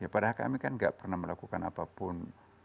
padahal kami kan gak pernah melakukan apapun